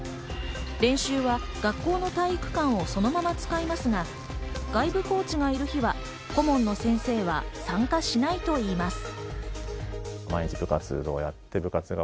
練習は学校の体育館をそのまま使いますが、外部コーチがいる日は顧問の先生は参加しないと言います。